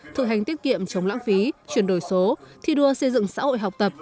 thực hành tiết kiệm chống lãng phí chuyển đổi số thi đua xây dựng xã hội học tập